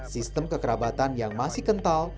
sistem kekerabatan yang masih kental